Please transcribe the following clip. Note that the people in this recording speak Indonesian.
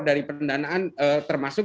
dari pendanaan termasuk